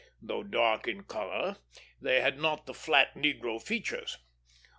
Though dark in color, they had not the flat negro features.